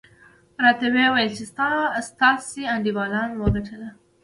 راته ویې ویل چې ستاسې انډیوالانو وګټله.